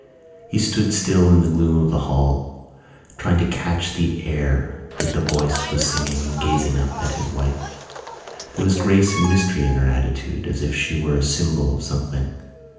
He stood still in the gloom of the hall, trying to catch the air that the voice was singing and gazing up at his wife. There was grace and mystery in her attitude as if she were a symbol of something.